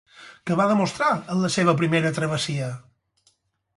Què va demostrar en la seva primera travessia?